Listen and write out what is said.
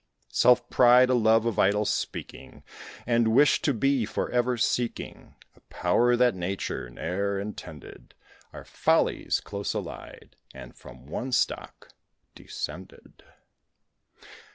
Self pride, a love of idle speaking, And wish to be for ever seeking A power that Nature ne'er intended, Are follies close allied, and from one stock descended.